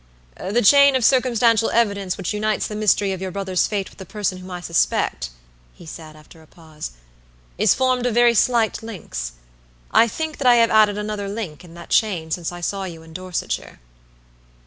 "The chain of circumstantial evidence which unites the mystery of your brother's fate with the person whom I suspect," he said, after a pause, "is formed of very slight links. I think that I have added another link to that chain since I saw you in Dorsetshire."